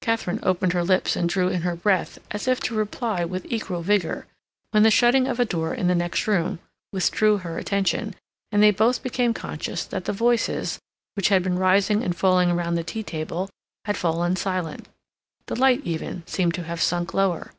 Katharine opened her lips and drew in her breath, as if to reply with equal vigor, when the shutting of a door in the next room withdrew her attention, and they both became conscious that the voices, which had been rising and falling round the tea table, had fallen silent; the light, even, seemed to have sunk lower.